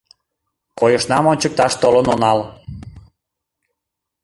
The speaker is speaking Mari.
Койышнам ончыкташ толын онал.